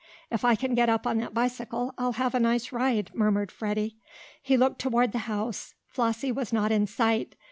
"If I can get up on that bicycle, I'll have a nice ride," murmured Freddie. He looked toward the house. Flossie was not in sight.